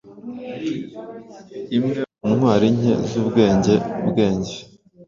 Imwe muntwari nke zubwenge-bwenge